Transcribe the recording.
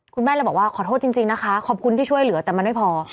คุณแม่เลยบอกว่าขอโทษจริงนะคะขอบคุณที่ช่วยเหลือแต่มันไม่พอ